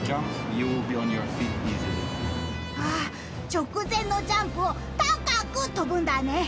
直前のジャンプを高く跳ぶんだね。